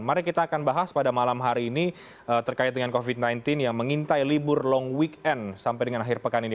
mari kita akan bahas pada malam hari ini terkait dengan covid sembilan belas yang mengintai libur long weekend sampai dengan akhir pekan ini